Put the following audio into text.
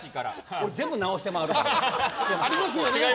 俺、全部直して回るから。